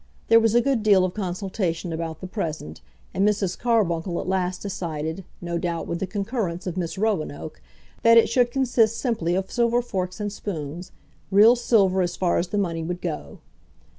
There was a good deal of consultation about the present, and Mrs. Carbuncle at last decided, no doubt with the concurrence of Miss Roanoke, that it should consist simply of silver forks and spoons, real silver as far as the money would go.